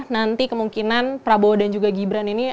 nanti kemungkinan prabowo dan juga gibran ini